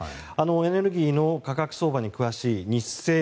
エネルギーの価格相場に詳しいニッセイ